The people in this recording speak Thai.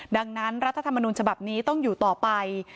ดังนั้นรัฐธรรมนุนฉบับนี้ต้องอยู่ต่อไป